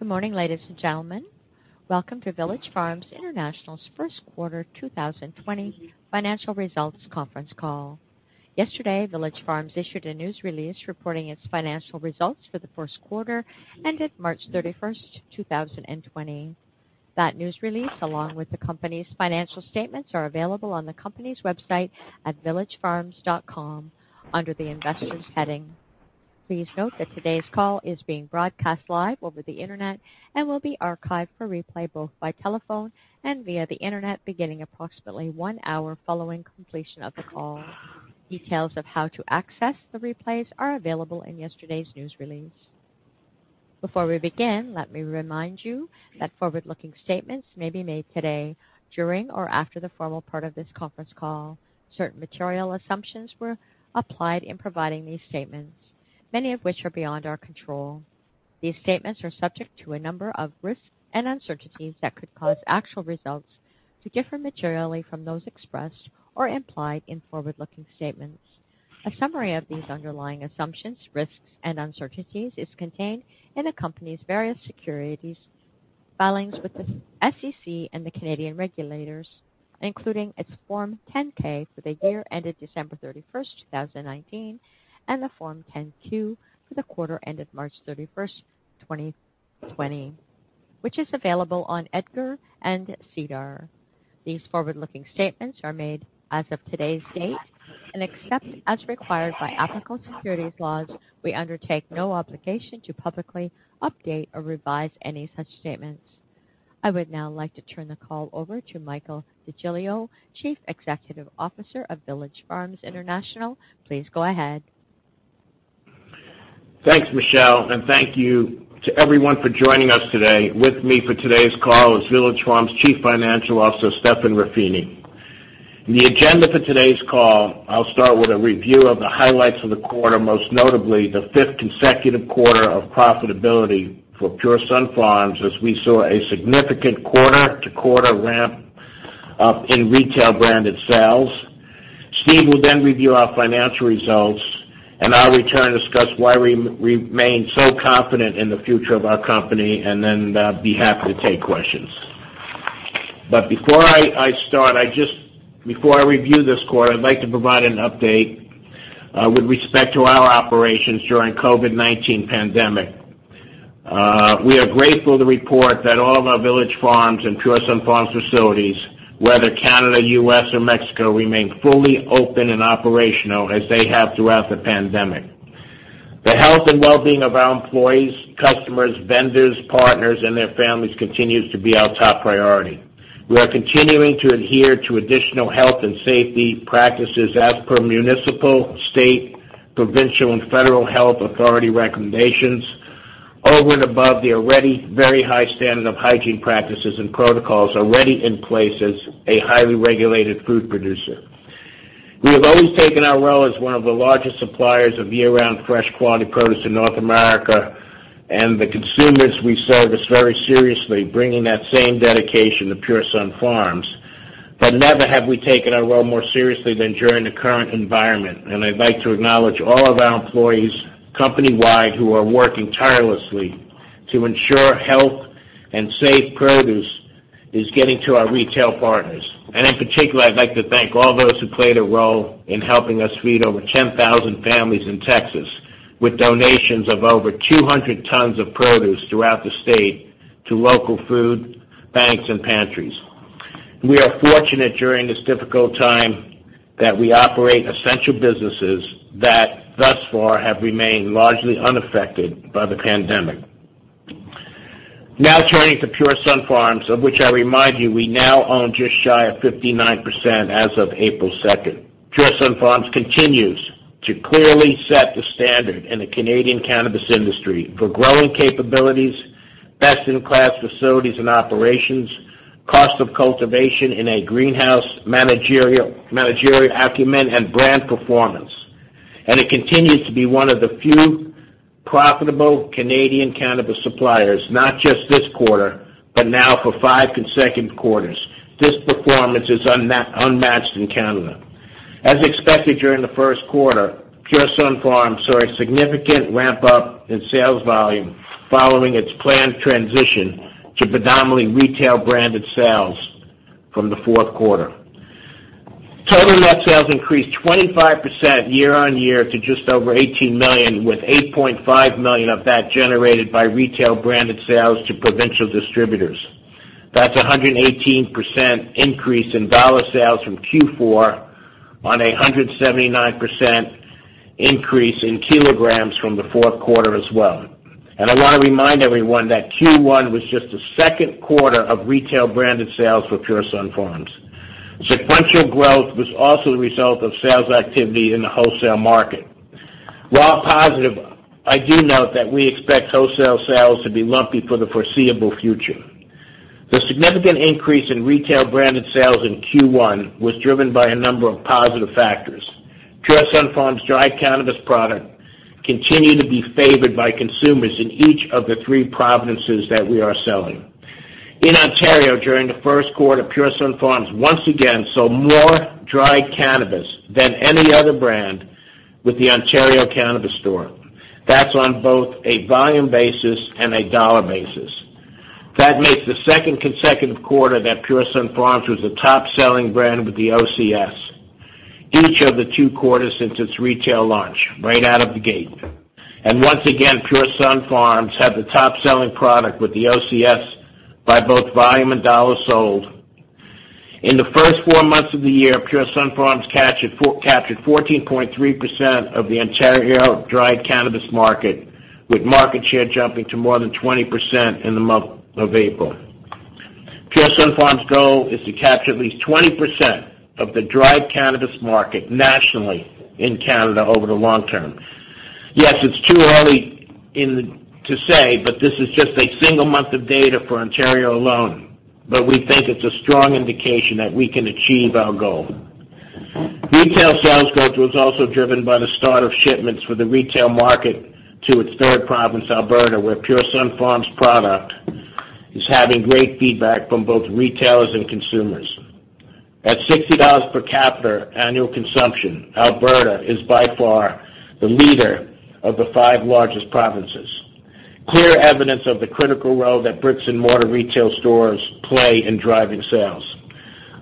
Good morning, ladies and gentlemen. Welcome to Village Farms International's first quarter 2020 financial results conference call. Yesterday, Village Farms issued a news release reporting its financial results for the first quarter ended March 31st, 2020. That news release, along with the company's financial statements, are available on the company's website at villagefarms.com under the Investors heading. Please note that today's call is being broadcast live over the internet and will be archived for replay both by telephone and via the internet, beginning approximately one hour following completion of the call. Details of how to access the replays are available in yesterday's news release. Before we begin, let me remind you that forward-looking statements may be made today during or after the formal part of this conference call. Certain material assumptions were applied in providing these statements, many of which are beyond our control. These statements are subject to a number of risks and uncertainties that could cause actual results to differ materially from those expressed or implied in forward-looking statements. A summary of these underlying assumptions, risks, and uncertainties is contained in the company's various securities filings with the SEC and the Canadian regulators, including its Form 10-K for the year ended December 31st, 2019, and the Form 10-Q for the quarter ended March 31st, 2020, which is available on EDGAR and SEDAR. These forward-looking statements are made as of today's date and except as required by applicable securities laws, we undertake no obligation to publicly update or revise any such statements. I would now like to turn the call over to Michael DeGiglio, Chief Executive Officer of Village Farms International. Please go ahead. Thanks, Michelle. Thank you to everyone for joining us today. With me for today's call is Village Farms Chief Financial Officer, Stephen Ruffini. In the agenda for today's call, I'll start with a review of the highlights of the quarter, most notably the fifth consecutive quarter of profitability for Pure Sunfarms, as we saw a significant quarter-to-quarter ramp-up in retail branded sales. Steve will then review our financial results, and I'll return to discuss why we remain so confident in the future of our company and then be happy to take questions. Before I start, before I review this quarter, I'd like to provide an update with respect to our operations during COVID-19 pandemic. We are grateful to report that all of our Village Farms and Pure Sunfarms facilities, whether Canada, U.S., or Mexico, remain fully open and operational as they have throughout the pandemic. The health and well-being of our employees, customers, vendors, partners, and their families continues to be our top priority. We are continuing to adhere to additional health and safety practices as per municipal, state, provincial, and federal health authority recommendations over and above the already very high standard of hygiene practices and protocols already in place as a highly regulated food producer. We have always taken our role as one of the largest suppliers of year-round fresh quality produce in North America and the consumers we service very seriously, bringing that same dedication to Pure Sunfarms. Never have we taken our role more seriously than during the current environment. I'd like to acknowledge all of our employees company-wide who are working tirelessly to ensure health and safe produce is getting to our retail partners. In particular, I'd like to thank all those who played a role in helping us feed over 10,000 families in Texas with donations of over 200 tons of produce throughout the state to local food banks and pantries. We are fortunate during this difficult time that we operate essential businesses that thus far have remained largely unaffected by the pandemic. Now, turning to Pure Sunfarms, of which I remind you, we now own just shy of 59% as of April 2nd. Pure Sunfarms continues to clearly set the standard in the Canadian cannabis industry for growing capabilities, best-in-class facilities and operations, cost of cultivation in a greenhouse managerial acumen, and brand performance. It continues to be one of the few profitable Canadian cannabis suppliers, not just this quarter, but now for five consecutive quarters. This performance is unmatched in Canada. As expected during the first quarter, Pure Sunfarms saw a significant ramp-up in sales volume following its planned transition to predominantly retail branded sales from the fourth quarter. Total net sales increased 25% year-over-year to just over 18 million, with 8.5 million of that generated by retail branded sales to provincial distributors. That's 118% increase in CAD sales from Q4 on 179% increase in kilograms from the fourth quarter as well. I want to remind everyone that Q1 was just the second quarter of retail branded sales for Pure Sunfarms. Sequential growth was also the result of sales activity in the wholesale market. While positive, I do note that we expect wholesale sales to be lumpy for the foreseeable future. The significant increase in retail branded sales in Q1 was driven by a number of positive factors. Pure Sunfarms' dried cannabis product continued to be favored by consumers in each of the three provinces that we are selling. In Ontario during the first quarter, Pure Sunfarms once again sold more dried cannabis than any other brand with the Ontario Cannabis Store. That's on both a volume basis and a dollar basis. That makes the second consecutive quarter that Pure Sunfarms was the top-selling brand with the OCS, each of the two quarters since its retail launch, right out of the gate. Once again, Pure Sunfarms had the top-selling product with the OCS by both volume and dollars sold. In the first four months of the year, Pure Sunfarms captured 14.3% of the Ontario dried cannabis market, with market share jumping to more than 20% in the month of April. Pure Sunfarms' goal is to capture at least 20% of the dried cannabis market nationally in Canada over the long term. Yes, it's too early to say, but this is just a single month of data for Ontario alone, but we think it's a strong indication that we can achieve our goal. Retail sales growth was also driven by the start of shipments for the retail market to its third province, Alberta, where Pure Sunfarms product is having great feedback from both retailers and consumers. At $60 per capita annual consumption, Alberta is by far the leader of the five largest provinces. Clear evidence of the critical role that bricks-and-mortar retail stores play in driving sales.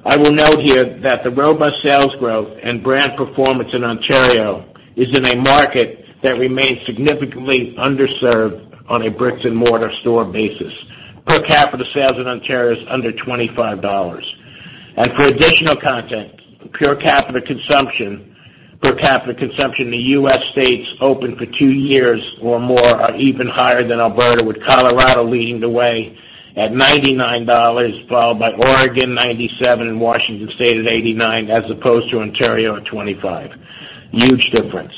I will note here that the robust sales growth and brand performance in Ontario is in a market that remains significantly underserved on a bricks-and-mortar store basis. Per capita sales in Ontario is under $25. For additional context, per capita consumption in the U.S. states open for two years or more are even higher than Alberta, with Colorado leading the way at $99, followed by Oregon, $97, and Washington State at $89, as opposed to Ontario at $25. Huge difference.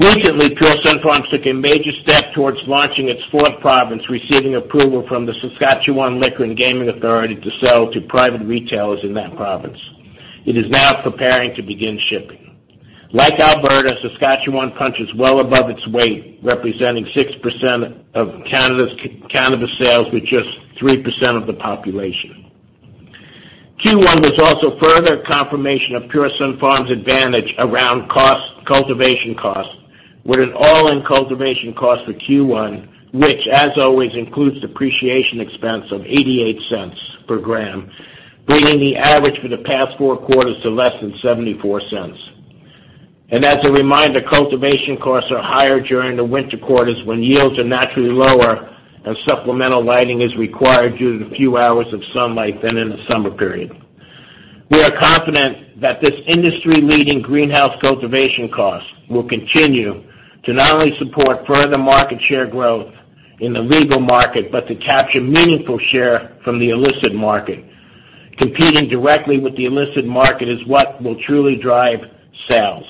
Recently, Pure Sunfarms took a major step towards launching its fourth province, receiving approval from the Saskatchewan Liquor and Gaming Authority to sell to private retailers in that province. It is now preparing to begin shipping. Like Alberta, Saskatchewan punches well above its weight, representing 6% of Canada's cannabis sales with just 3% of the population. Q1 was also further confirmation of Pure Sunfarms' advantage around cultivation cost, with an all-in cultivation cost for Q1, which, as always, includes depreciation expense of $0.88 per gram, bringing the average for the past four quarters to less than $0.74. As a reminder, cultivation costs are higher during the winter quarters when yields are naturally lower and supplemental lighting is required due to the few hours of sunlight than in the summer period. We are confident that this industry-leading greenhouse cultivation cost will continue to not only support further market share growth in the legal market, but to capture meaningful share from the illicit market. Competing directly with the illicit market is what will truly drive sales.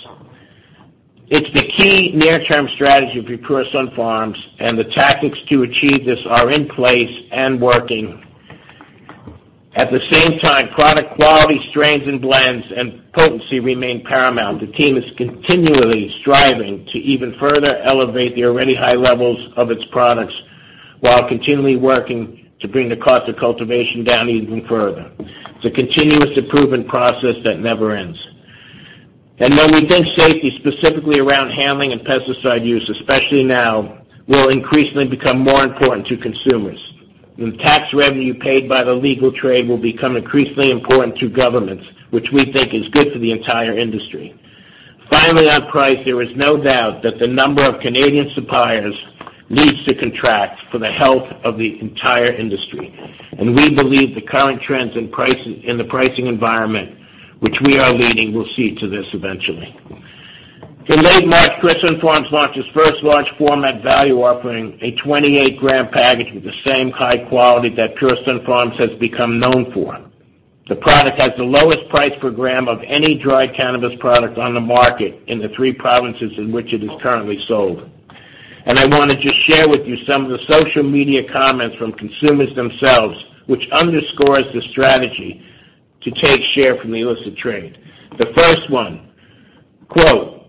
It's the key near-term strategy for Pure Sunfarms, and the tactics to achieve this are in place and working. At the same time, product quality strains and blends and potency remain paramount. The team is continually striving to even further elevate the already high levels of its products while continually working to bring the cost of cultivation down even further. It's a continuous improvement process that never ends. We think safety, specifically around handling and pesticide use, especially now, will increasingly become more important to consumers. Tax revenue paid by the legal trade will become increasingly important to governments, which we think is good for the entire industry. Finally, on price, there is no doubt that the number of Canadian suppliers needs to contract for the health of the entire industry. We believe the current trends in the pricing environment, which we are leading, will see to this eventually. In late March, Pure Sunfarms launched its first large format value offering, a 28-gram package with the same high quality that Pure Sunfarms has become known for. The product has the lowest price per gram of any dried cannabis product on the market in the 3 provinces in which it is currently sold. I wanted to share with you some of the social media comments from consumers themselves, which underscores the strategy to take share from the illicit trade. The first one, quote,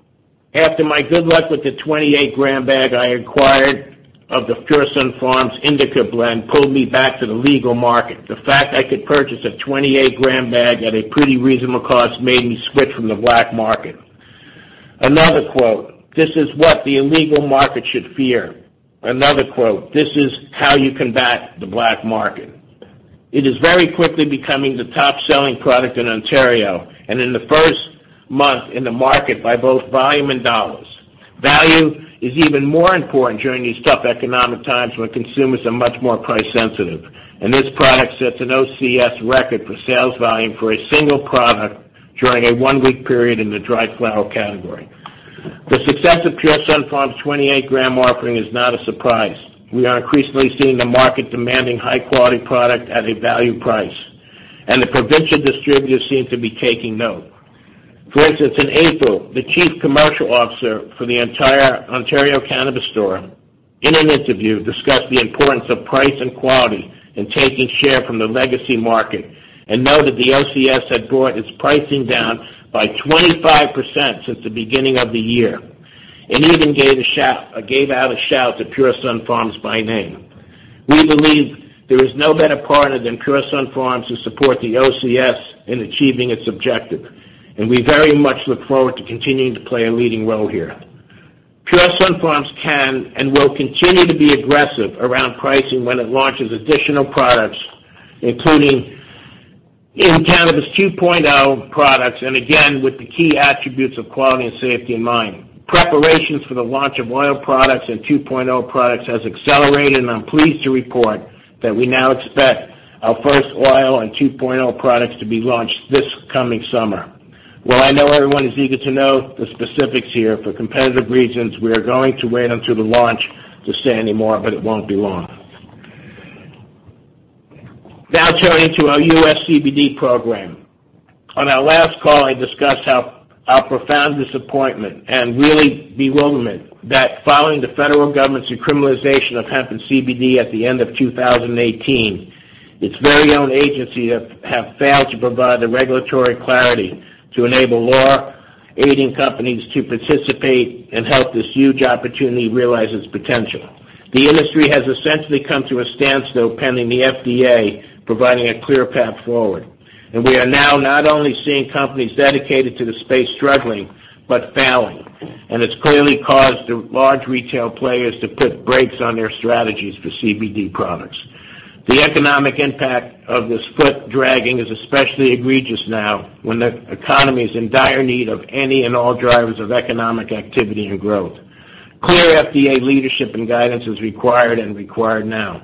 "After my good luck with the 28-gram bag I acquired of the Pure Sunfarms Indica blend pulled me back to the legal market. The fact I could purchase a 28-gram bag at a pretty reasonable cost made me switch from the black market." Another quote, "This is what the illegal market should fear." Another quote, "This is how you combat the black market." It is very quickly becoming the top-selling product in Ontario and in the first month in the market by both volume and dollars. Value is even more important during these tough economic times when consumers are much more price sensitive, and this product sets an OCS record for sales volume for a single product during a one-week period in the dried flower category. The success of Pure Sunfarms' 28-gram offering is not a surprise. We are increasingly seeing the market demanding high-quality product at a value price, and the provincial distributors seem to be taking note. For instance, in April, the chief commercial officer for the entire Ontario Cannabis Store in an interview discussed the importance of price and quality in taking share from the legacy market and noted the OCS had brought its pricing down by 25% since the beginning of the year. Even gave out a shout to Pure Sunfarms by name. We believe there is no better partner than Pure Sunfarms to support the OCS in achieving its objective, and we very much look forward to continuing to play a leading role here. Pure Sunfarms can and will continue to be aggressive around pricing when it launches additional products, including in Cannabis 2.0 products, and again, with the key attributes of quality and safety in mind. Preparations for the launch of oil products and 2.0 products has accelerated. I'm pleased to report that we now expect our first oil and 2.0 products to be launched this coming summer. While I know everyone is eager to know the specifics here, for competitive reasons, we are going to wait until the launch to say any more. It won't be long. Now turning to our U.S. CBD program. On our last call, I discussed our profound disappointment and really bewilderment that following the federal government's decriminalization of hemp and CBD at the end of 2018, its very own agencies have failed to provide the regulatory clarity to enable law-aiding companies to participate and help this huge opportunity realize its potential. The industry has essentially come to a standstill pending the FDA providing a clear path forward. We are now not only seeing companies dedicated to the space struggling, but failing. It's clearly caused the large retail players to put brakes on their strategies for CBD products. The economic impact of this foot-dragging is especially egregious now, when the economy is in dire need of any and all drivers of economic activity and growth. Clear FDA leadership and guidance is required and required now.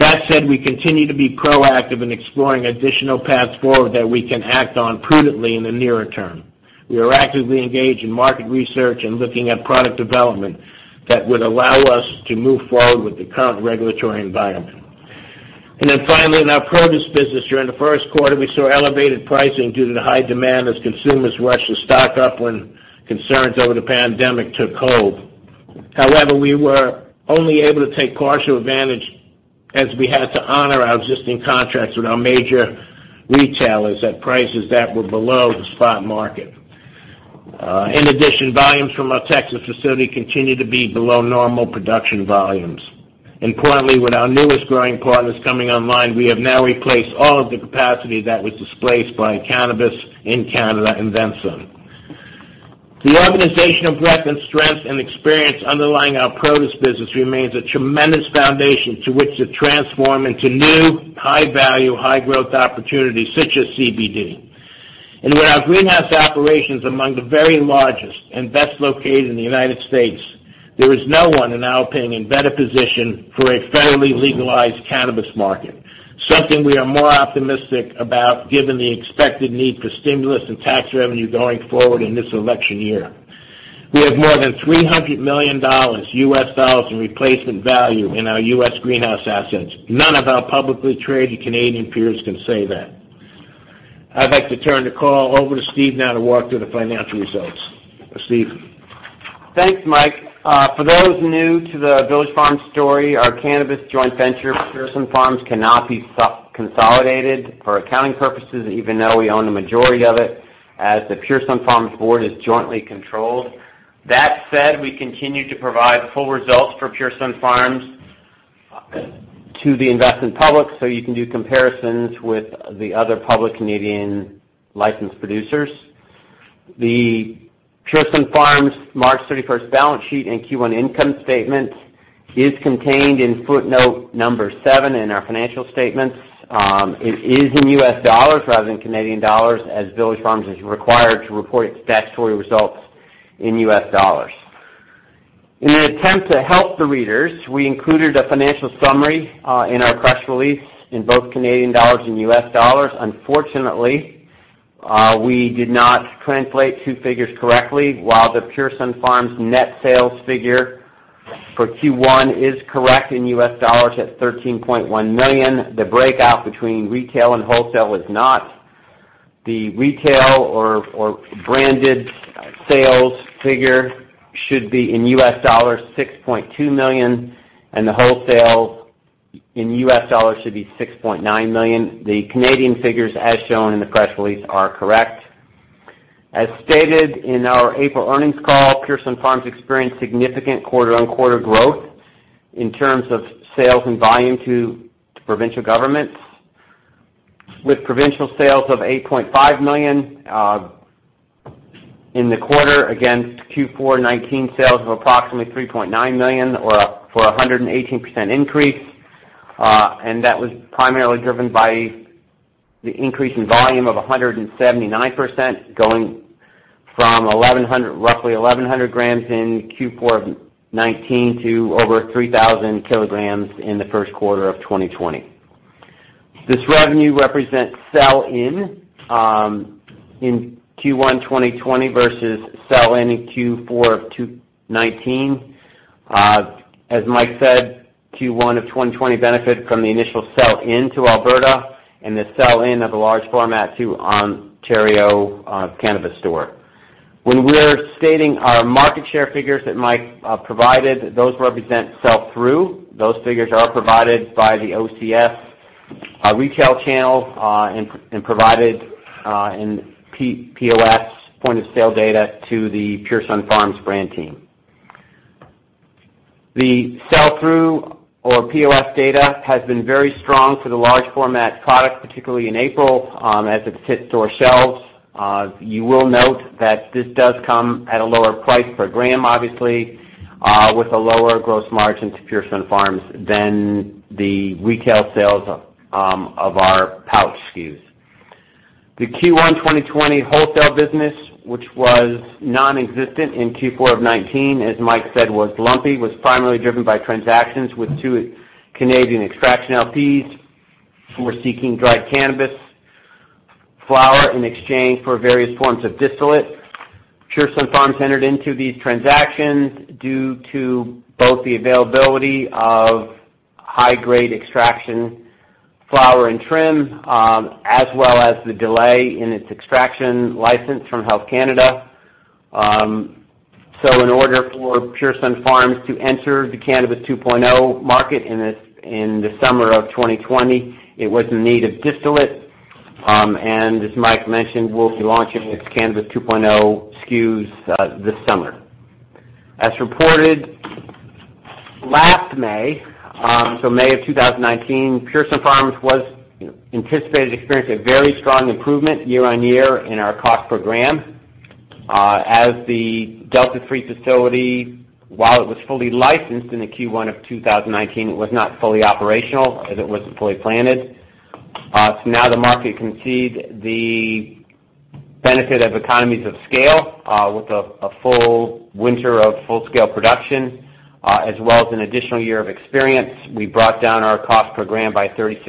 That said, we continue to be proactive in exploring additional paths forward that we can act on prudently in the nearer term. We are actively engaged in market research and looking at product development that would allow us to move forward with the current regulatory environment. Finally, in our produce business during the first quarter, we saw elevated pricing due to the high demand as consumers rushed to stock up when concerns over the pandemic took hold. However, we were only able to take partial advantage as we had to honor our existing contracts with our major retailers at prices that were below the spot market. In addition, volumes from our Texas facility continue to be below normal production volumes. Importantly, with our newest growing partners coming online, we have now replaced all of the capacity that was displaced by cannabis in Canada and then some. The organizational breadth and strength and experience underlying our produce business remains a tremendous foundation to which to transform into new high-value, high-growth opportunities such as CBD. With our greenhouse operations among the very largest and best located in the United States, there is no one, in our opinion, better positioned for a federally legalized cannabis market, something we are more optimistic about given the expected need for stimulus and tax revenue going forward in this election year. We have more than $300 million in replacement value in our U.S. greenhouse assets. None of our publicly traded Canadian peers can say that. I'd like to turn the call over to Steve now to walk through the financial results. Steve? Thanks, Mike. For those new to the Village Farms story, our cannabis joint venture, Pure Sunfarms, cannot be consolidated for accounting purposes, even though we own the majority of it, as the Pure Sunfarms board is jointly controlled. That said, we continue to provide full results for Pure Sunfarms to the investment public, so you can do comparisons with the other public Canadian Licensed Producers. The Pure Sunfarms March 31st balance sheet and Q1 income statement is contained in footnote number seven in our financial statements. It is in U.S. dollars rather than Canadian dollars, as Village Farms is required to report its statutory results in U.S. dollars. In an attempt to help the readers, we included a financial summary in our press release in both Canadian dollars and U.S. dollars. Unfortunately, we did not translate two figures correctly. While the Pure Sunfarms net sales figure for Q1 is correct in U.S. dollars at $13.1 million, the breakout between retail and wholesale was not. The retail or branded sales figure should be in U.S. dollars, $6.2 million, and the wholesale in U.S. dollars should be $6.9 million. The Canadian figures, as shown in the press release, are correct. As stated in our April earnings call, Pure Sunfarms experienced significant quarter-on-quarter growth in terms of sales and volume to provincial governments, with provincial sales of $8.5 million in the quarter against Q4 2019 sales of approximately $3.9 million, or a 118% increase. That was primarily driven by the increase in volume of 179%, going from roughly 1,100 kilograms in Q4 of 2019 to over 3,000 kilograms in the first quarter of 2020. This revenue represents sell-in Q1 2020 versus sell-in in Q4 of 2019. As Mike said, Q1 of 2020 benefited from the initial sell-in to Alberta and the sell-in of a large format to Ontario Cannabis Store. When we're stating our market share figures that Mike provided, those represent sell-through. Those figures are provided by the OCS, our retail channel, and provided POS, point of sale data to the Pure Sunfarms brand team. The sell-through or POS data has been very strong for the large format product, particularly in April, as it's hit store shelves. You will note that this does come at a lower price per gram, obviously, with a lower gross margin to Pure Sunfarms than the retail sales of our pouch SKUs. The Q1 2020 wholesale business, which was nonexistent in Q4 of 2019, as Mike said, was lumpy, was primarily driven by transactions with two Canadian extraction LPs who were seeking dried cannabis flower in exchange for various forms of distillate. Pure Sunfarms entered into these transactions due to both the availability of high-grade extraction flower and trim, as well as the delay in its extraction license from Health Canada. In order for Pure Sunfarms to enter the Cannabis 2.0 market in the summer of 2020, it was in need of distillate. As Mike mentioned, we'll be launching its Cannabis 2.0 SKUs this summer. As reported last May of 2019, Pure Sunfarms was anticipated to experience a very strong improvement year-on-year in our cost per gram. As the Delta-3 facility, while it was fully licensed in the Q1 of 2019, it was not fully operational as it wasn't fully planted. Now the market can see the benefit of economies of scale, with a full winter of full-scale production, as well as an additional year of experience. We brought down our cost per gram by 36%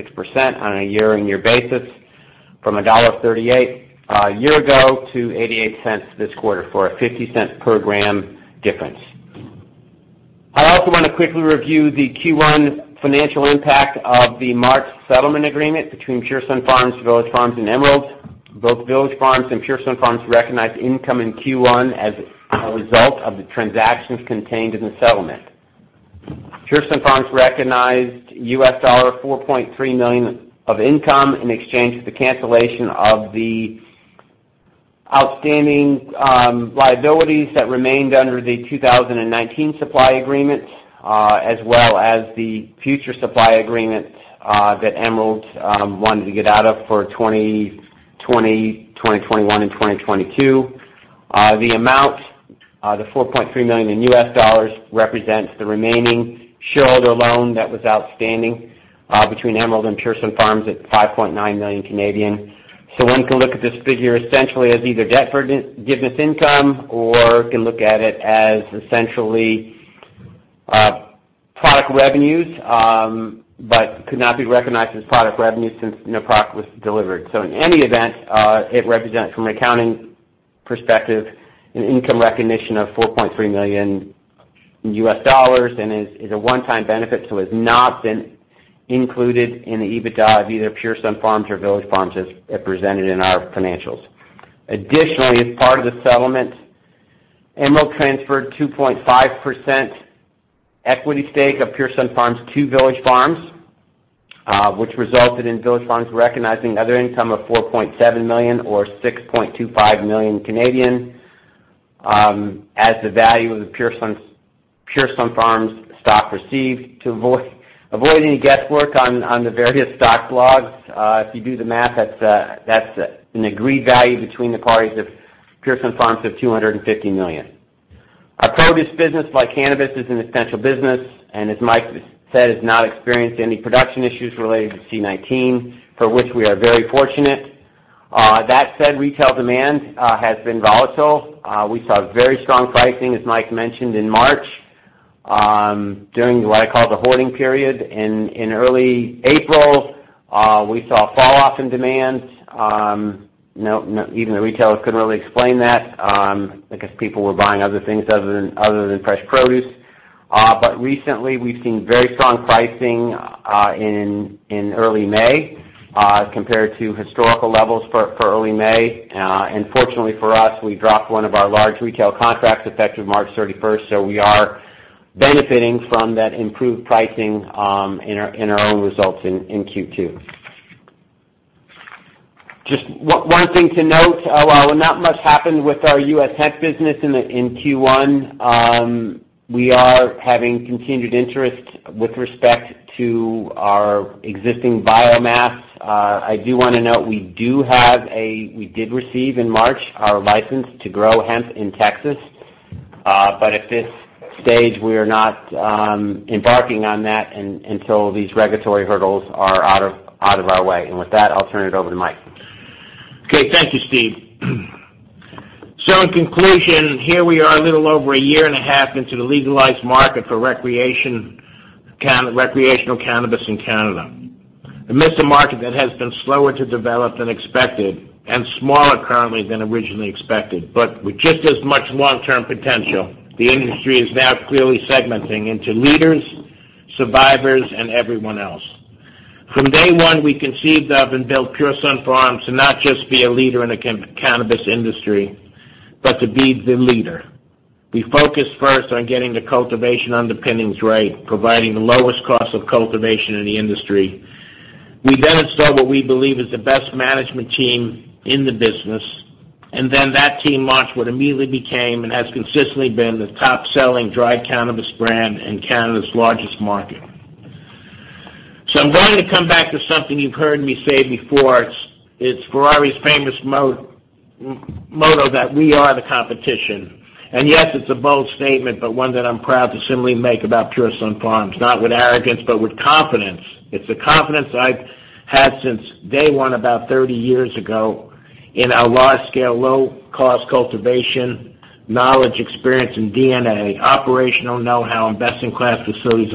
on a year-on-year basis from $1.38 a year ago to $0.88 this quarter, for a $0.50 per gram difference. I also want to quickly review the Q1 financial impact of the March settlement agreement between Pure Sunfarms, Village Farms, and Emerald. Both Village Farms and Pure Sunfarms recognized income in Q1 as a result of the transactions contained in the settlement. Pure Sunfarms recognized $4.3 million of income in exchange for the cancellation of the outstanding liabilities that remained under the 2019 supply agreement, as well as the future supply agreement that Emerald wanted to get out of for 2020, 2021, and 2022. The amount, the $4.3 million in US dollars, represents the remaining shareholder loan that was outstanding between Emerald and Pure Sunfarms at 5.9 million. One can look at this figure essentially as either debt forgiveness income or can look at it as essentially product revenues, but could not be recognized as product revenue since no product was delivered. In any event, it represents, from an accounting perspective, an income recognition of $4.3 million, and is a one-time benefit, so has not been included in the EBITDA of either Pure Sunfarms or Village Farms as represented in our financials. Additionally, as part of the settlement, Emerald transferred 2.5% equity stake of Pure Sunfarms to Village Farms, which resulted in Village Farms recognizing other income of $4.7 million or 6.25 million as the value of the Pure Sunfarms stock received. To avoid any guesswork on the various stock logs, if you do the math, that's an agreed value between the parties of Pure Sunfarms of $250 million. Our produce business, like cannabis, is an essential business, and as Mike said, has not experienced any production issues related to C-19, for which we are very fortunate. That said, retail demand has been volatile. We saw very strong pricing, as Mike mentioned, in March, during what I call the hoarding period. In early April, we saw a fall off in demand. Even the retailers couldn't really explain that, because people were buying other things other than fresh produce. Recently, we've seen very strong pricing in early May compared to historical levels for early May. Fortunately for us, we dropped one of our large retail contracts effective March 31st, so we are benefiting from that improved pricing in our own results in Q2. Just one thing to note, while not much happened with our U.S. hemp business in Q1, we are having continued interest with respect to our existing biomass. I do want to note we did receive in March our license to grow hemp in Texas. At this stage, we are not embarking on that until these regulatory hurdles are out of our way. With that, I'll turn it over to Mike. Thank you, Steve. In conclusion, here we are a little over a year and a half into the legalized market for recreational cannabis in Canada. Amidst a market that has been slower to develop than expected and smaller currently than originally expected, with just as much long-term potential, the industry is now clearly segmenting into leaders, survivors, and everyone else. From day one, we conceived of and built Pure Sunfarms to not just be a leader in the cannabis industry, to be the leader. We focused first on getting the cultivation underpinnings right, providing the lowest cost of cultivation in the industry. We then installed what we believe is the best management team in the business, that team launched what immediately became and has consistently been the top-selling dry cannabis brand in Canada's largest market. I'm going to come back to something you've heard me say before. It's Ferrari's famous motto that, "We are the competition." Yes, it's a bold statement, but one that I'm proud to similarly make about Pure Sunfarms, not with arrogance, but with confidence. It's the confidence I've had since day one, about 30 years ago, in our large-scale, low-cost cultivation, knowledge, experience, and DNA, operational know-how, and best-in-class facilities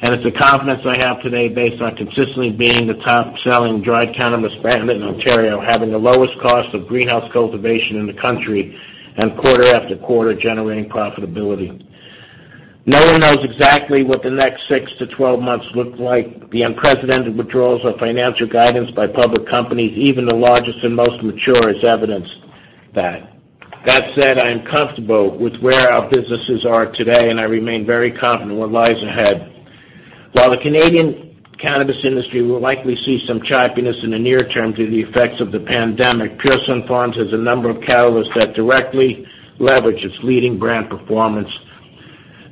and operation. It's the confidence I have today based on consistently being the top-selling dry cannabis brand in Ontario, having the lowest cost of greenhouse cultivation in the country, and quarter after quarter, generating profitability. No one knows exactly what the next 6-12 months look like. The unprecedented withdrawals of financial guidance by public companies, even the largest and most mature, is evidence of that. That said, I am comfortable with where our businesses are today, and I remain very confident what lies ahead. While the Canadian cannabis industry will likely see some choppiness in the near term due to the effects of the pandemic, Pure Sunfarms has a number of catalysts that directly leverage its leading brand performance.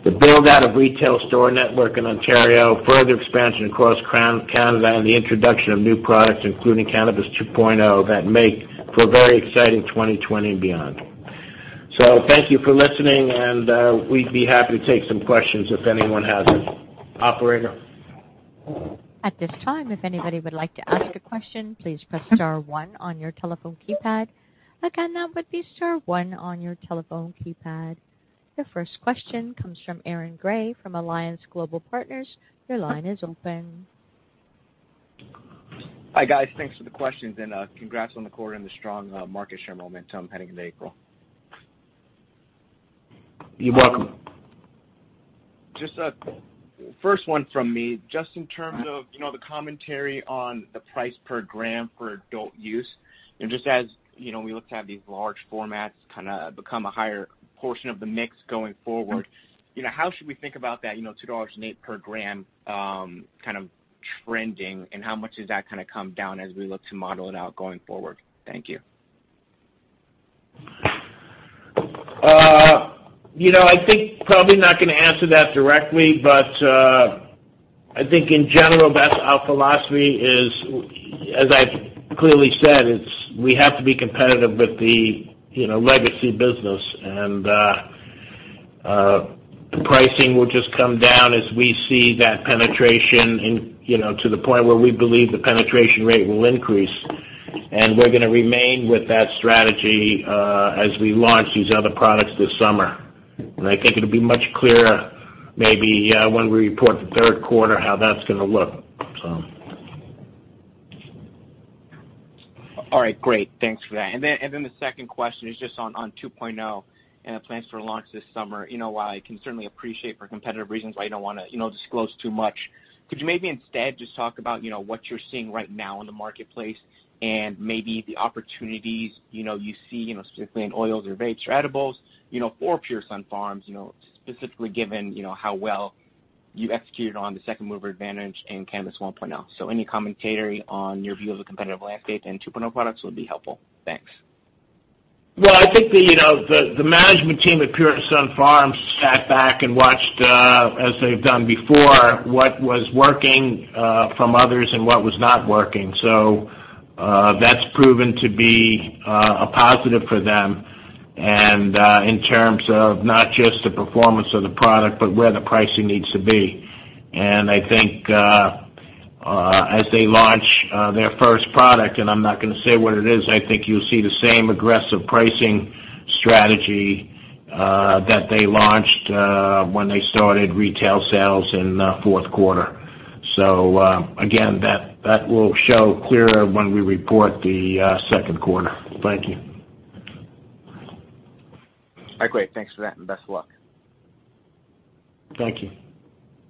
The build-out of retail store network in Ontario, further expansion across Canada, and the introduction of new products, including Cannabis 2.0, that make for a very exciting 2020 and beyond. Thank you for listening, and we'd be happy to take some questions if anyone has any. Operator? At this time, if anybody would like to ask a question, please press star one on your telephone keypad. Again, that would be star one on your telephone keypad. The first question comes from Aaron Grey from Alliance Global Partners. Your line is open. Hi, guys. Thanks for the questions and congrats on the quarter and the strong market share momentum heading into April. You're welcome. Just first one from me, just in terms of the commentary on the price per gram for adult use, and just as we look to have these large formats kind of become a higher portion of the mix going forward, how should we think about that $2.08 per gram kind of trending, and how much does that kind of come down as we look to model it out going forward? Thank you. I think probably not going to answer that directly, but I think in general, that our philosophy is, as I've clearly said, it's we have to be competitive with the legacy business. The pricing will just come down as we see that penetration to the point where we believe the penetration rate will increase. We're going to remain with that strategy as we launch these other products this summer. I think it'll be much clearer maybe when we report the third quarter, how that's going to look. All right, great. Thanks for that. The second question is just on 2.0 and the plans for launch this summer. While I can certainly appreciate for competitive reasons why you don't want to disclose too much, could you maybe instead just talk about what you're seeing right now in the marketplace and maybe the opportunities you see, specifically in oils or vapes or edibles, for Pure Sunfarms, specifically given how well you executed on the second-mover advantage in Cannabis 1.0. Any commentary on your view of the competitive landscape and 2.0 products would be helpful. Thanks. Well, I think the management team at Pure Sunfarms sat back and watched, as they've done before, what was working from others and what was not working. That's proven to be a positive for them and in terms of not just the performance of the product, but where the pricing needs to be. I think as they launch their first product, and I'm not going to say what it is, I think you'll see the same aggressive pricing strategy that they launched when they started retail sales in fourth quarter. Again, that will show clearer when we report the second quarter. Thank you. All right, great. Thanks for that and best of luck. Thank you.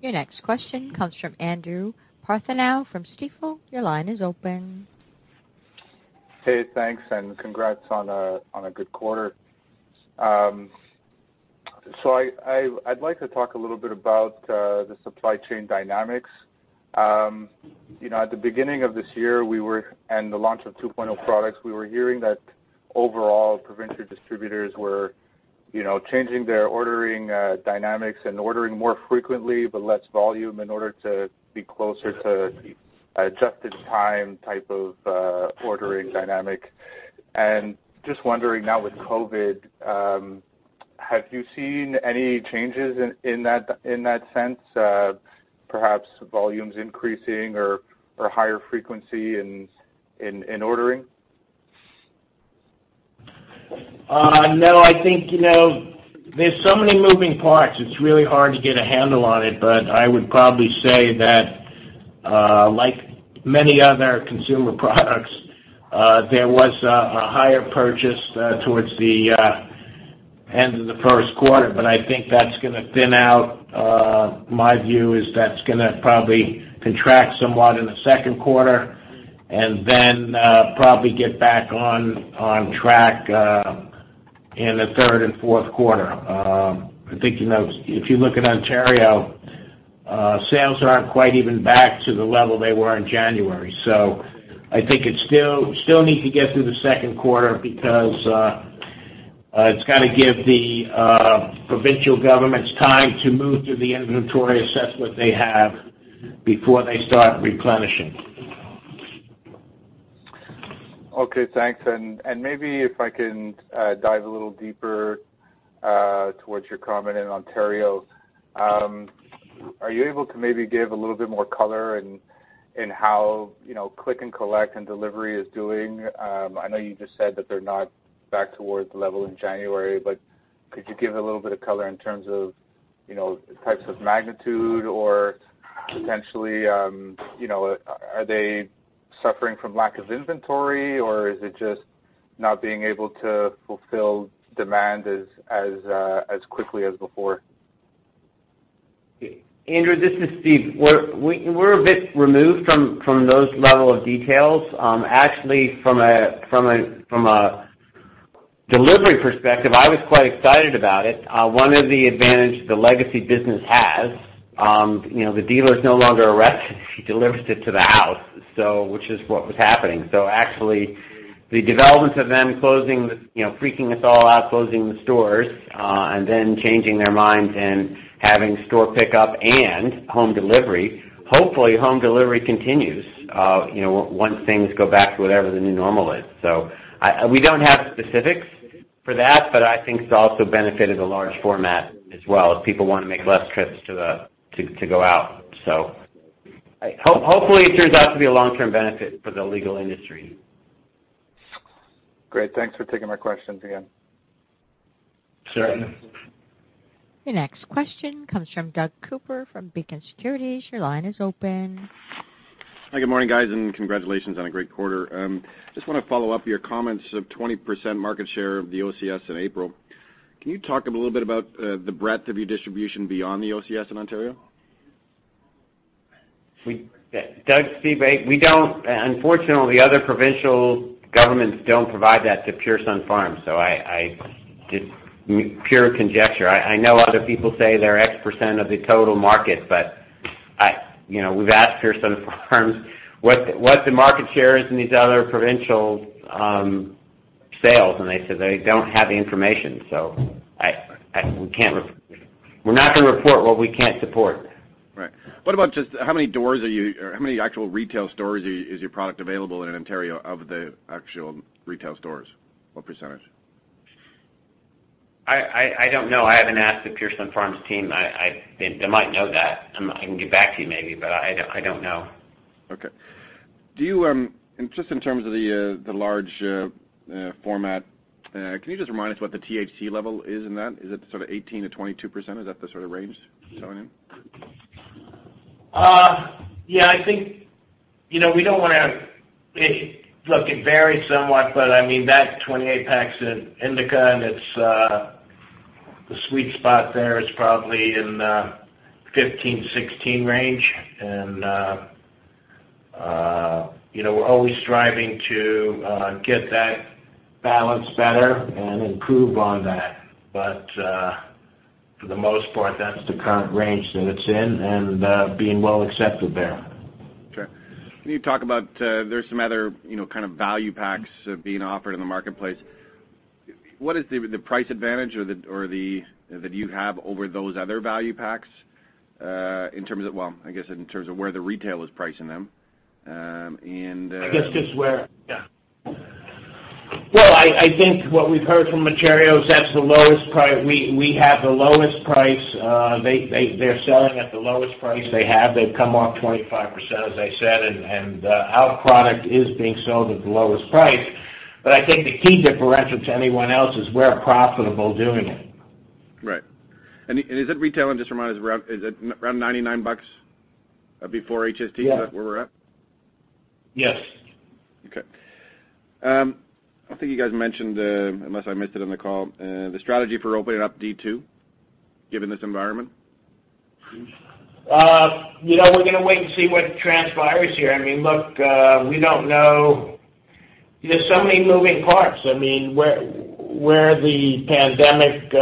Your next question comes from Andrew Partheniou from Stifel. Your line is open. Hey, thanks. Congrats on a good quarter. I'd like to talk a little bit about the supply chain dynamics. At the beginning of this year and the launch of 2.0 products, we were hearing that overall provincial distributors were changing their ordering dynamics and ordering more frequently, but less volume in order to be closer to a just-in-time type of ordering dynamic. Just wondering now with COVID, have you seen any changes in that sense, perhaps volumes increasing or higher frequency in ordering? No. I think there's so many moving parts, it's really hard to get a handle on it. I would probably say that like many other consumer products, there was a higher purchase towards the end of the first quarter, but I think that's going to thin out. My view is that's going to probably contract somewhat in the second quarter. Then probably get back on track in the third and fourth quarter. I think if you look at Ontario, sales aren't quite even back to the level they were in January. I think it still needs to get through the second quarter because it's got to give the provincial governments time to move through the inventory assessment they have before they start replenishing. Okay, thanks. Maybe if I can dive a little deeper towards your comment in Ontario. Are you able to maybe give a little bit more color in how click and collect and delivery is doing? I know you just said that they're not back towards the level in January, but could you give a little bit of color in terms of types of magnitude, or potentially, are they suffering from lack of inventory, or is it just not being able to fulfill demand as quickly as before? Andrew, this is Steve. We're a bit removed from those level of details. From a delivery perspective, I was quite excited about it. One of the advantage the legacy business has, the dealer's no longer arrested if he delivers it to the house, which is what was happening. The developments of them closing, freaking us all out, closing the stores, and then changing their minds and having store pickup and home delivery. Hopefully, home delivery continues once things go back to whatever the new normal is. We don't have specifics for that, but I think it's also benefited a large format as well, as people want to make less trips to go out. Hopefully it turns out to be a long-term benefit for the legal industry. Great, thanks for taking my questions again. Sure. Sure. Your next question comes from Doug Cooper from Beacon Securities. Your line is open. Hi, good morning, guys. Congratulations on a great quarter. Just want to follow up your comments of 20% market share of the OCS in April. Can you talk a little bit about the breadth of your distribution beyond the OCS in Ontario? Doug, Steve. Unfortunately, the other provincial governments don't provide that to Pure Sunfarms. It's pure conjecture. I know other people say they're X% of the total market, but we've asked Pure Sunfarms what the market share is in these other provincial sales, and they said they don't have the information. We're not going to report what we can't support. Right. What about just how many actual retail stores is your product available in Ontario of the actual retail stores? What percentage? I don't know. I haven't asked the Pure Sunfarms team. They might know that. I can get back to you maybe, but I don't know. Okay. Just in terms of the large format, can you just remind us what the THC level is in that? Is it sort of 18%-22%? Is that the sort of range it's selling in? Yeah, look, it varies somewhat, but that 28 packs in indica, the sweet spot there is probably in the 15, 16 range. We're always striving to get that balance better and improve on that. For the most part, that's the current range that it's in and being well accepted there. Sure. Can you talk about, there's some other kind of value packs being offered in the marketplace. What is the price advantage that you have over those other value packs in terms of, well, I guess, in terms of where the retail is pricing them? Well, I think what we've heard from Ontario is that we have the lowest price. They're selling at the lowest price they have. They've come off 25%, as I said, and our product is being sold at the lowest price. I think the key differential to anyone else is we're profitable doing it. Right. Is that retail, and just remind us, is it around $99 before HST? Yeah is that where we're at? Yes. Okay. I don't think you guys mentioned, unless I missed it in the call, the strategy for opening up D2 given this environment? We're going to wait and see what transpires here. Look, we don't know. There's so many moving parts where the pandemic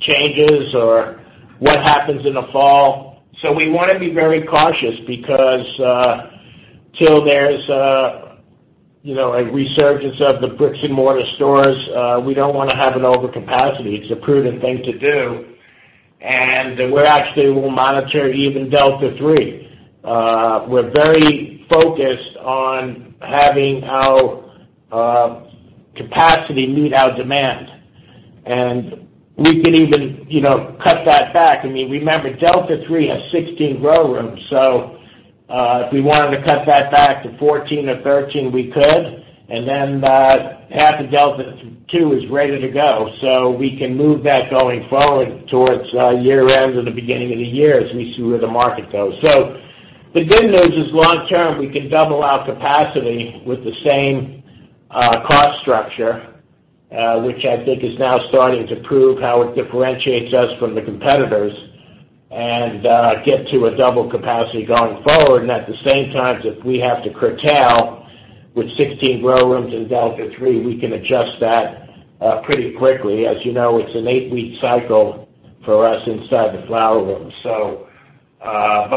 changes or what happens in the fall. We want to be very cautious because till there's a resurgence of the bricks and mortar stores, we don't want to have an overcapacity. It's a prudent thing to do. We actually will monitor even Delta 3. We're very focused on having our capacity meet our demand. We can even cut that back. Remember, Delta 3 has 16 grow rooms. If we wanted to cut that back to 14 or 13, we could. Half of Delta 2 is ready to go. We can move that going forward towards year end or the beginning of the year as we see where the market goes. The good news is long term, we can double our capacity with the same cost structure, which I think is now starting to prove how it differentiates us from the competitors. Get to a double capacity going forward. At the same time, if we have to curtail with 16 grow rooms in Delta-3, we can adjust that pretty quickly. As you know, it's an eight-week cycle for us inside the flower room.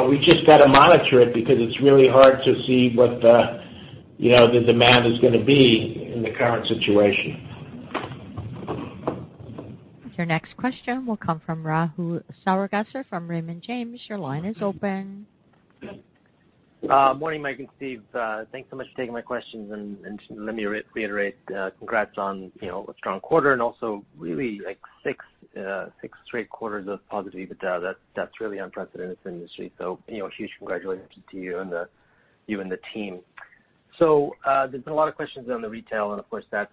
We just got to monitor it because it's really hard to see what the demand is going to be in the current situation. Your next question will come from Rahul Sarugaser from Raymond James. Your line is open. Morning, Mike and Steve. Thanks so much for taking my questions, and let me reiterate, congrats on a strong quarter and also really six straight quarters of positive EBITDA. That's really unprecedented in the industry, so huge congratulations to you and the team. There's been a lot of questions on the retail, and of course, that's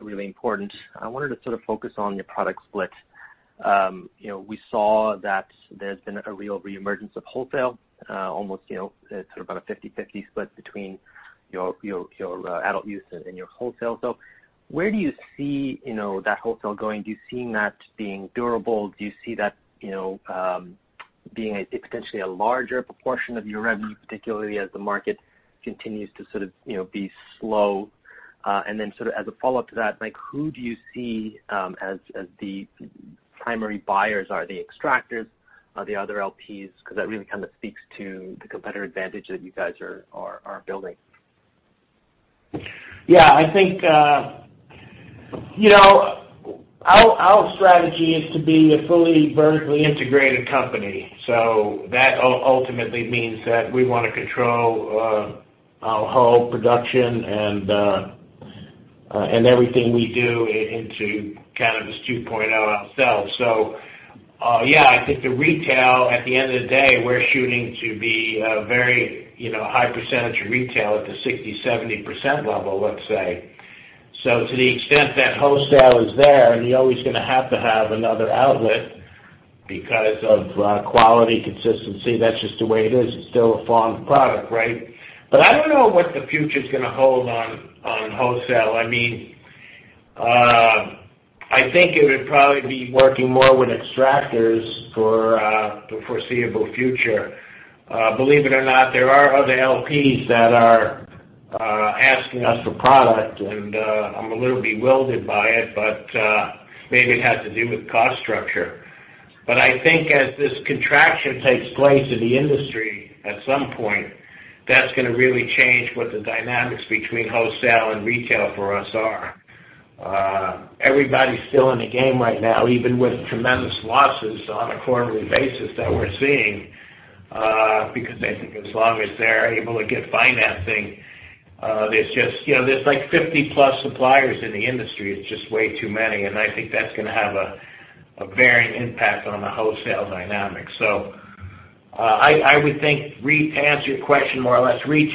really important. I wanted to sort of focus on your product split. We saw that there's been a real reemergence of wholesale almost at sort of about a 50/50 split between your adult use and your wholesale. Where do you see that wholesale going? Do you see that being durable? Do you see that being potentially a larger proportion of your revenue, particularly as the market continues to sort of be slow? Then as a follow-up to that, Mike, who do you see as the primary buyers? Are they extractors? Are they other LPs? Because that really kind of speaks to the competitive advantage that you guys are building. Yeah. Our strategy is to be a fully vertically integrated company. That ultimately means that we want to control our whole production and everything we do into Cannabis 2.0 ourselves. Yeah, I think the retail, at the end of the day, we're shooting to be a very high percentage of retail at the 60%-70% level, let's say. To the extent that wholesale is there, and you're always going to have to have another outlet because of quality, consistency. That's just the way it is. It's still a farmed product, right? I don't know what the future's going to hold on wholesale. I think it would probably be working more with extractors for the foreseeable future. Believe it or not, there are other LPs that are asking us for product, and I'm a little bewildered by it, but maybe it has to do with cost structure. I think as this contraction takes place in the industry, at some point, that's going to really change what the dynamics between wholesale and retail for us are. Everybody's still in the game right now, even with tremendous losses on a quarterly basis that we're seeing, because they think as long as they're able to get financing. There's like 50-plus suppliers in the industry. It's just way too many. I think that's going to have a varying impact on the wholesale dynamics. I would think, to answer your question more or less, we're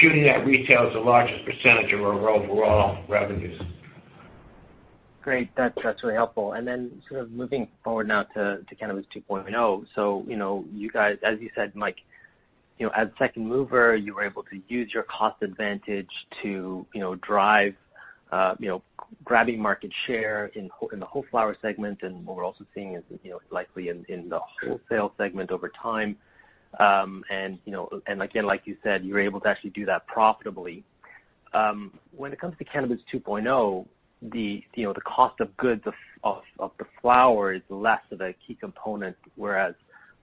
shooting at retail as the largest percentage of our overall revenues. Great. That's really helpful. Then sort of moving forward now to Cannabis 2.0. You guys, as you said, Mike, as a second mover, you were able to use your cost advantage to drive, grabbing market share in the whole flower segment and what we're also seeing is likely in the wholesale segment over time. Again, like you said, you were able to actually do that profitably. When it comes to Cannabis 2.0, the cost of goods of the flower is less of a key component, whereas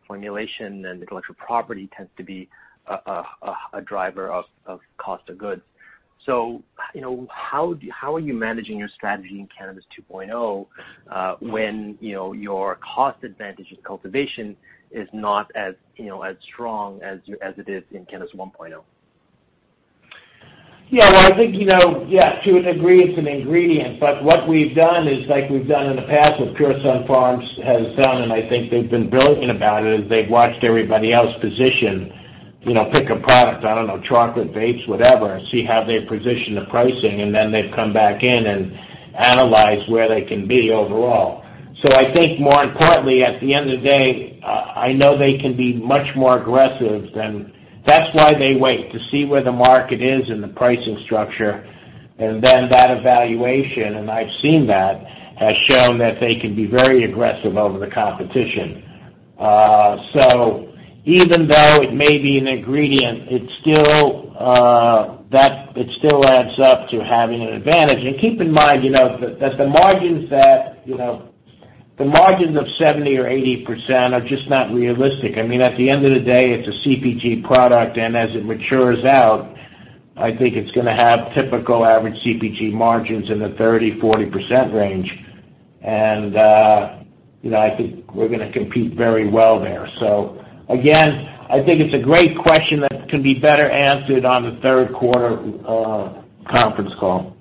formulation and intellectual property tends to be a driver of cost of goods. How are you managing your strategy in Cannabis 2.0 when your cost advantage in cultivation is not as strong as it is in Cannabis 1.0? Well, I think to a degree, it's an ingredient, but what we've done is like we've done in the past, what Pure Sunfarms has done, and I think they've been brilliant about it, is they've watched everybody else position. Pick a product, I don't know, chocolate, vapes, whatever, and see how they position the pricing, and then they've come back in and analyzed where they can be overall. I think more importantly, at the end of the day, I know they can be much more aggressive. That's why they wait to see where the market is in the pricing structure. That evaluation, and I've seen that, has shown that they can be very aggressive over the competition. Even though it may be an ingredient, it still adds up to having an advantage. Keep in mind that the margins of 70% or 80% are just not realistic. At the end of the day, it's a CPG product, and as it matures out, I think it's going to have typical average CPG margins in the 30%-40% range. I think we're going to compete very well there. Again, I think it's a great question that can be better answered on the third quarter conference call.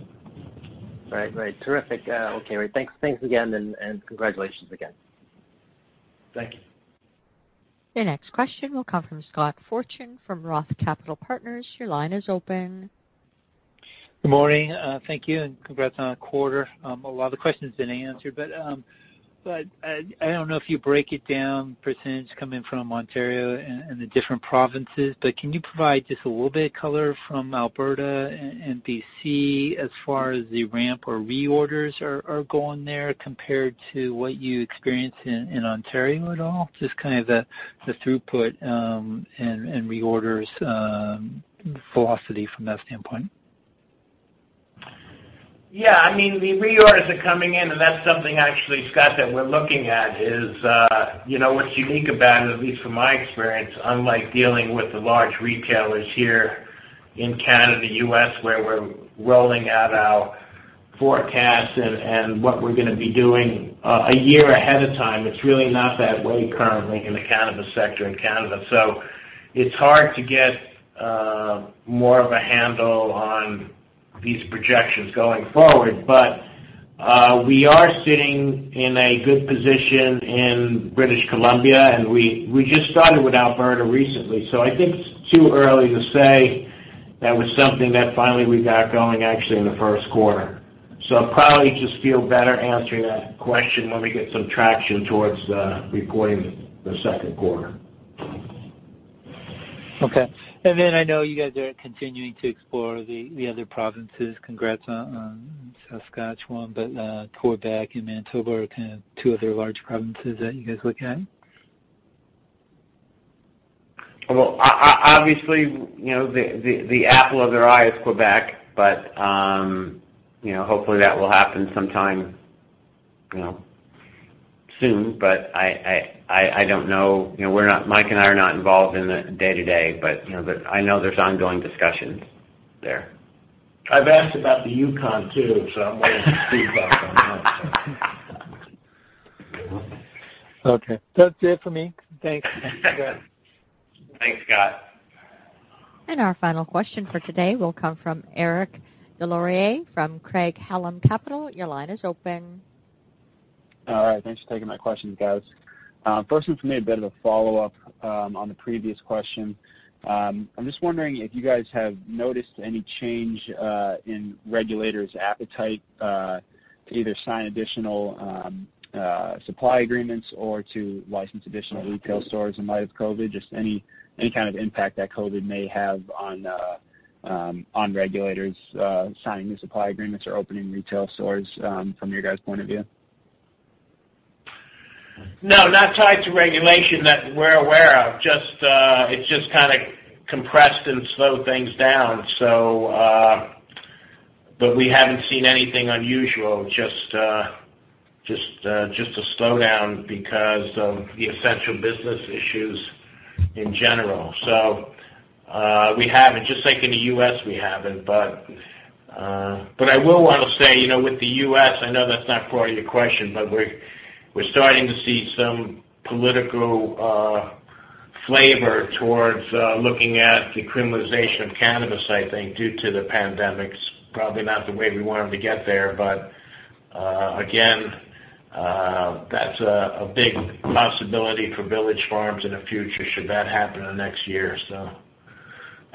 Right. Terrific. Okay. Thanks again, and congratulations again. Thank you. Your next question will come from Scott Fortune from Roth Capital Partners. Your line is open. Good morning. Thank you, and congrats on the quarter. A lot of the questions have been answered, but I don't know if you break it down, percentage coming from Ontario and the different provinces, but can you provide just a little bit of color from Alberta and BC as far as the ramp or reorders are going there compared to what you experience in Ontario at all, just the throughput and reorders velocity from that standpoint. Yeah. The reorders are coming in. That's something actually, Scott, that we're looking at. What's unique about it, at least from my experience, unlike dealing with the large retailers here in Canada, U.S., where we're rolling out our forecasts and what we're going to be doing a year ahead of time, it's really not that way currently in the cannabis sector in Canada. It's hard to get more of a handle on these projections going forward. We are sitting in a good position in British Columbia, and we just started with Alberta recently, so I think it's too early to say. That was something that finally we got going actually in the first quarter. I'd probably just feel better answering that question when we get some traction towards reporting the second quarter. Okay. I know you guys are continuing to explore the other provinces. Congrats on Saskatchewan. Quebec and Manitoba are kind of two other large provinces that you guys looking at. Well, obviously, the apple of their eye is Quebec, but hopefully, that will happen sometime soon. I don't know. Mike and I are not involved in the day-to-day, but I know there's ongoing discussions there. I've asked about the Yukon too, so I'm waiting to see about that one. Okay. That's it for me. Thanks. Thanks, Scott. Our final question for today will come from Eric Des Lauriers from Craig-Hallum Capital. Your line is open. All right, thanks for taking my questions, guys. First one for me, a bit of a follow-up on the previous question. I'm just wondering if you guys have noticed any change in regulators' appetite to either sign additional supply agreements or to license additional retail stores in light of COVID? Just any kind of impact that COVID may have on regulators signing the supply agreements or opening retail stores from your guys' point of view. No, not tied to regulation that we're aware of. It just kind of compressed and slowed things down. We haven't seen anything unusual, just a slowdown because of the essential business issues in general. We haven't. I will want to say, with the U.S., I know that's not part of your question, but we're starting to see some political flavor towards looking at decriminalization of cannabis, I think, due to the pandemic. It's probably not the way we wanted to get there, but again, that's a big possibility for Village Farms in the future, should that happen in the next year or so.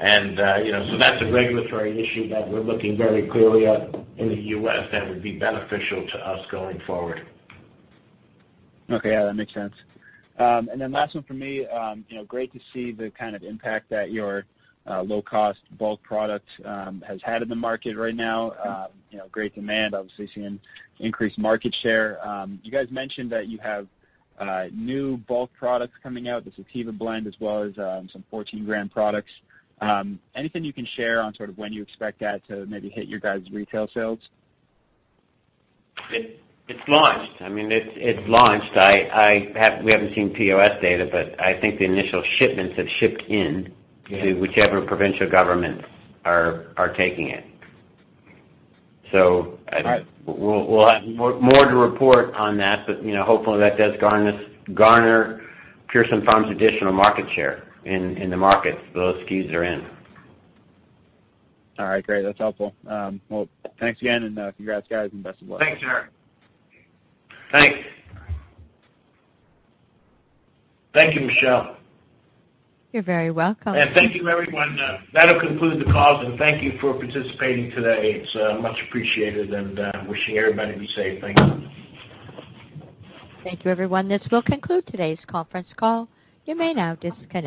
That's a regulatory issue that we're looking very clearly at in the U.S. that would be beneficial to us going forward. Okay. Yeah, that makes sense. Last one for me, great to see the kind of impact that your low-cost bulk product has had in the market right now. Great demand, obviously seeing increased market share. You guys mentioned that you have new bulk products coming out, the sativa blend as well as some 14-gram products. Anything you can share on sort of when you expect that to maybe hit your guys' retail sales? It's launched. We haven't seen POS data, but I think the initial shipments have shipped in to whichever provincial governments are taking it. So we'll have more to report on that, but hopefully, that does garner Pure Sunfarms additional market share in the markets those SKUs are in. All right, great. That's helpful. Well, thanks again and congrats, guys, and best of luck. Thanks, Eric. Thanks. Thank you, Michelle. You're very welcome. Thank you, everyone. That will conclude the call. Thank you for participating today. It is much appreciated. Wishing everybody be safe. Thank you. Thank you, everyone. This will conclude today's conference call. You may now disconnect.